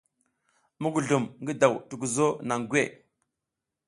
Mugulum ngi daw tukuzo naŋ gwe.